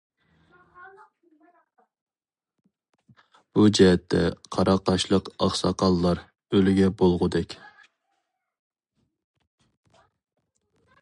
بۇ جەھەتتە قاراقاشلىق ئاقساقاللار ئۈلگە بولغۇدەك.